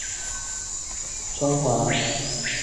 现任中华人民共和国公安部副部长。